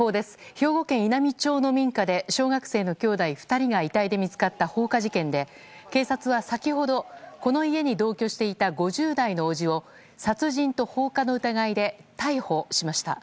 兵庫県稲美町の民家で小学生の兄弟２人が遺体で見つかった放火事件で警察は先ほどこの家に同居していた５０代の伯父を殺人と放火の疑いで逮捕しました。